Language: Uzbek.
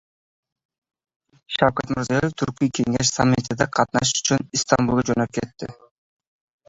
Shavkat Mirziyoyev Turkiy kengash sammitida qatnashish uchun Istanbulga jo‘nab ketdi